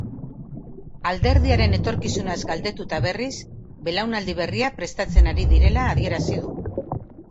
Alderdiaren etorkizunaz galdetuta berriz, belaunaldi berria prestatzen ari direla adierazi du.